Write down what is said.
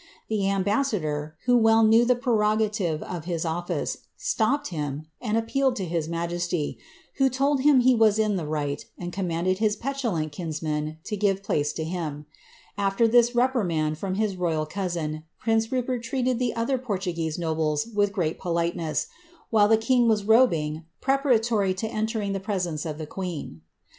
The ambassador, who wrll knew the prerogative of his office, stopped him^ and appealed to hi:« majesty, who told him he was in the right, and commanded hb petiH lant kinsman to give place to him. Af\er this reprimand from his roya« cousin, prince Rupert treated the other Portuguese nobles with great politeness, while the king was robing, preparatory to entering the pre sence of the queen.'